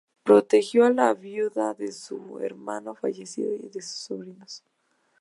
Protegió a la viuda de su hermano fallecido y a sus sobrinos.